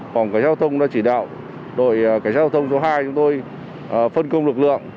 phòng cảnh giao thông đã chỉ đạo đội cảnh sát giao thông số hai chúng tôi phân công lực lượng